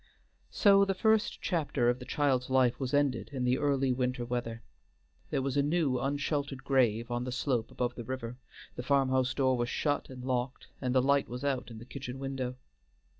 So the first chapter of the child's life was ended in the early winter weather. There was a new unsheltered grave on the slope above the river, the farm house door was shut and locked, and the light was out in the kitchen window.